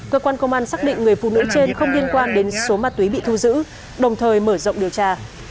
cơ quan công an xác định người phụ nữ trên không liên quan đến số ma túy bị thu giữ đồng thời mở rộng điều tra